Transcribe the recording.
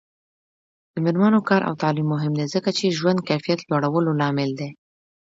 د میرمنو کار او تعلیم مهم دی ځکه چې ژوند کیفیت لوړولو لامل دی.